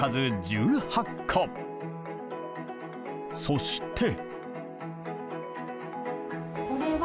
そして。